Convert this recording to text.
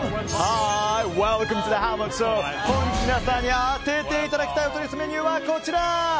本日、皆さんに当てていただきたいお取り寄せメニューはこちら。